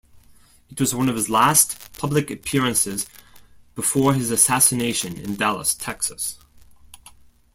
It was one of his last public appearances before his assassination in Dallas, Texas.